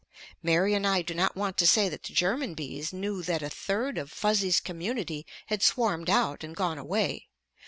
Mary and I do not want to say that the German bees knew that a third of Fuzzy's community had swarmed out and gone away.